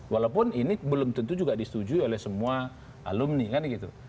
walaupun ini belum tentu juga disetujui oleh semua alumni kan gitu